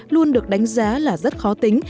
luôn được đánh giá là rất khó tính